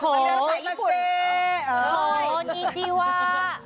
โอ้โอ้นี่จี๊ว่า